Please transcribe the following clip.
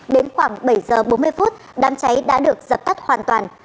đến khoảng bảy giờ bốn mươi phút đám cháy đã được dập tắt hoàn toàn